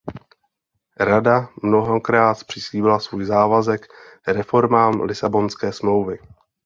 Rada mnohokrát přislíbila svůj závazek reformám Lisabonské smlouvy.